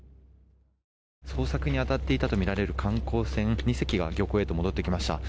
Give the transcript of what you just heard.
捜索に当たっていたとみられる観光船２隻が漁港へと戻ってきました。